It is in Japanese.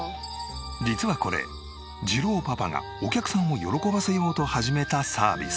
実はこれじろうパパがお客さんを喜ばせようと始めたサービス。